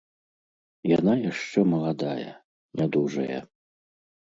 Яна яшчэ маладая, нядужая.